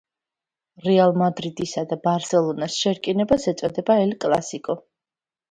რეალ მადრიდისა და ბარსელონას შერკინებას ეწოდება ელ კლასიკო